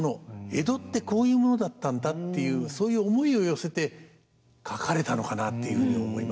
江戸ってこういうものだったんだっていうそういう思いを寄せて描かれたのかなっていうふうに思いますね。